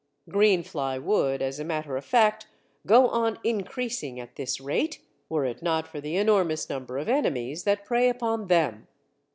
Green fly would, as a matter of fact, go on increasing at this rate, were it not for the enormous number of enemies that prey upon them.